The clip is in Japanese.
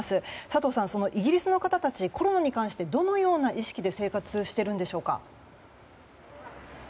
佐藤さん、イギリスの方たちコロナに関してどのような意識で生活しているんでしょうか。